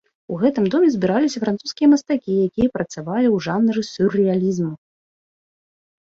У гэтым доме збіраліся французскія мастакі, якія працавалі ў жанры сюррэалізму.